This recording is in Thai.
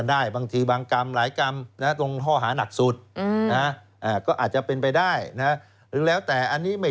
เน้นแล้วหนักแล้วนะฮะ